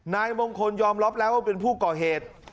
นายมงคลยอมรับแล้วว่าเป็นผู้ก่อเหตุ